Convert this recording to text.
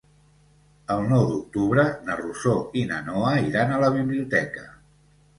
El nou d'octubre na Rosó i na Noa iran a la biblioteca.